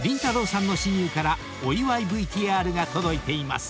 さんの親友からお祝いＶＴＲが届いています］